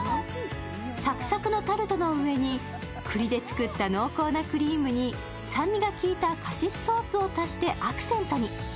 サクサクのタルトの上に栗で作った濃厚なクリームに酸味が効いたカシスソースを足してアクセントに。